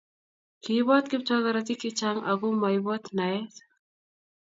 kiibot Kiptoo korotik che chang' aku maibot naet